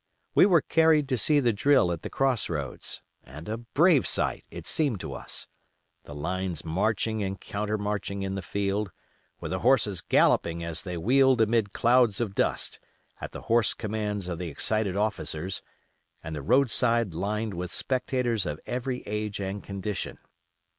We were carried to see the drill at the cross roads, and a brave sight it seemed to us: the lines marching and countermarching in the field, with the horses galloping as they wheeled amid clouds of dust, at the hoarse commands of the excited officers, and the roadside lined with spectators of every age and condition.